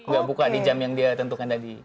gak buka di jam yang dia tentukan tadi